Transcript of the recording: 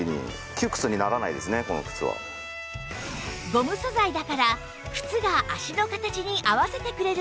ゴム素材だから靴が足の形に合わせてくれるんです